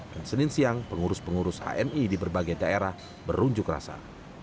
dan senin siang pengurus pengurus hmi di berbagai daerah berunjuk rasa